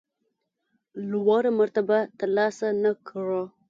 لوړه مرتبه ترلاسه نه کړه.